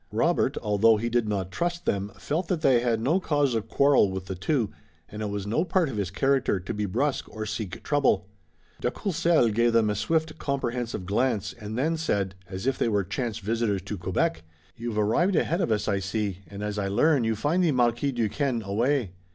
Robert, although he did not trust them, felt that they had no cause of quarrel with the two, and it was no part of his character to be brusque or seek trouble. De Courcelles gave them a swift, comprehensive glance, and then said, as if they were chance visitors to Quebec: "You've arrived ahead of us, I see, and as I learn, you find the Marquis Duquesne away.